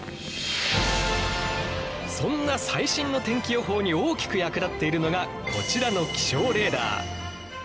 そんな最新の天気予報に大きく役立っているのがこちらの気象レーダー。